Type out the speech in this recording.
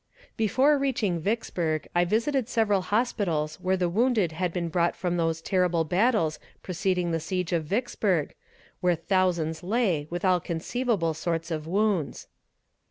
Before reaching Vicksburg I visited several hospitals where the wounded had been brought from those terrible battles preceding the siege of Vicksburg, where thousands lay, with all conceivable sorts of wounds.